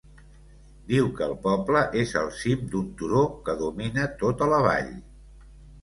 Diu que el poble és al cim d'un turó que domina tota la vall.